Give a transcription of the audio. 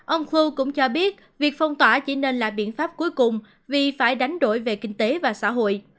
ông khu cũng cho biết việc phong tỏa chỉ nên là biện pháp cuối cùng vì phải đánh đổi về kinh tế và xã hội